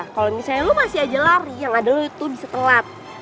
kalo misalnya lo masih aja lari yang ada lo itu bisa telat